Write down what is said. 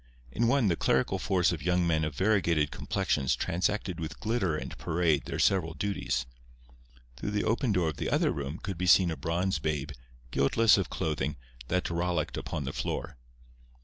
In one the clerical force of young men of variegated complexions transacted with glitter and parade their several duties. Through the open door of the other room could be seen a bronze babe, guiltless of clothing, that rollicked upon the floor.